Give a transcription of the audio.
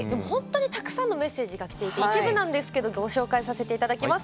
たくさんのメッセージがきていて一部なんですがご紹介させていただきます。